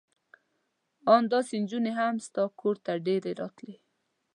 ان داسې نجونې هم ستا کور ته ډېرې راتلې.